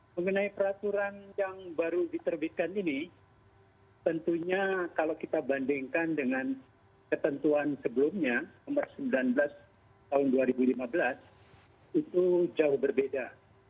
mengenai peraturan yang baru diterbitkan ini tentunya kalau kita bandingkan dengan ketentuan sebelumnya nomor sembilan belas tahun dua ribu lima belas itu jauh berbeda